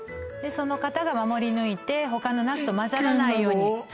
その方が守り抜いて他のナスとまざらないように１軒なの？